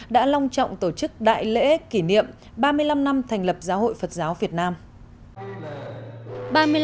đã long trọng tổ chức đại lễ kỷ niệm ba mươi năm năm thành lập giáo hội phật giáo việt nam